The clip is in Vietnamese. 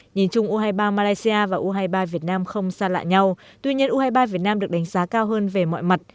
nhìn chung u hai mươi ba malaysia và u hai mươi ba việt nam không xa lạ nhau tuy nhiên u hai mươi ba việt nam được đánh giá cao hơn về mọi mặt